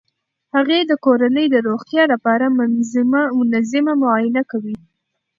هغې د کورنۍ د روغتیا لپاره منظمه معاینه کوي.